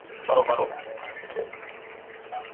করো, করো।